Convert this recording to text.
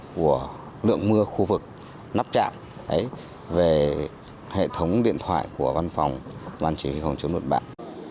của lượng mưa khu vực lắp đặt về hệ thống điện thoại của văn phòng văn chỉ huy phòng chống đột bạc